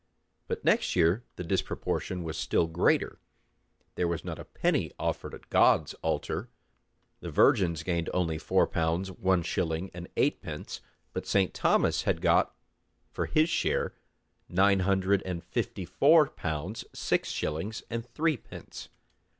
But next year the disproportion was still greater; there was not a penny offered at God's altar; the Virgin's gained only four pounds one shilling and eight pence; but St. Thomas had got for his share nine hundred and fifty four pounds six shillings and threepence.